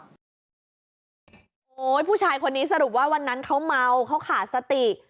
โอ้โหผู้ชายคนนี้สรุปว่าวันนั้นเขาเมาเขาขาดสติ